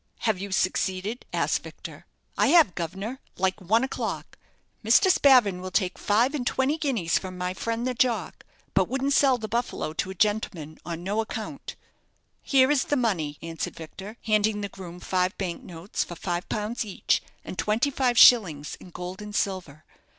"Have you succeeded?" asked Victor. "I have, guv'nor, like one o'clock. Mr. Spavin will take five and twenty guineas from my friend the jock; but wouldn't sell the 'Buffalo' to a gentleman on no account." "Here is the money," answered Victor, handing the groom five bank notes for five pounds each, and twenty five shillings in gold and silver.